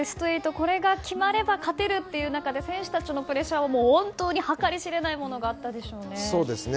これが決まれば勝てるという中で選手たちのプレッシャーは本当に計り知れないものがあったでしょうね。